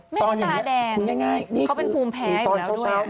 ไม่คุณแก้งนี่คุณภูมิแพ้อยู่แล้ว